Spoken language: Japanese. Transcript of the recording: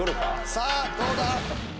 さあどうだ？